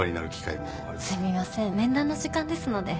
すみません面談の時間ですので。